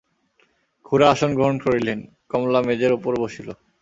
খুড়া আসন গ্রহণ করিলেন, কমলা মেজের উপরে বসিল।